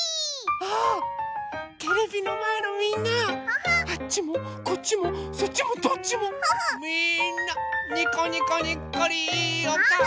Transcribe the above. あテレビのまえのみんなあっちもこっちもそっちもどっちもみんなにこにこにっこりいいおかお。